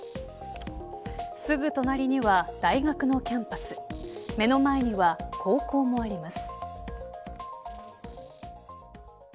すぐ隣には大学のキャンパス目の前には高校もあります。